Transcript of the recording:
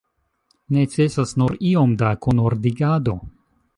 Necesas nur iom da kunordigado.